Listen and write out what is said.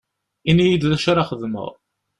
Ini-yi-d d acu ara xedmeɣ.